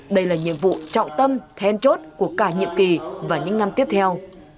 đây là nhiệm vụ trọng tâm then chốt của cả nhiệm kỳ và những năm tiếp theo